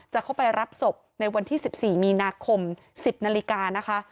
จะเข้าไปรับศพในวันที่๑๔มีนาคม๑๐นาฬิกานะคะ